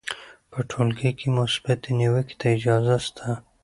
په ټولګي کې مثبتې نیوکې ته اجازه سته.